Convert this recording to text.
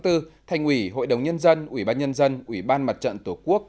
thành ủy hội đồng nhân dân ủy ban nhân dân ủy ban mặt trận tổ quốc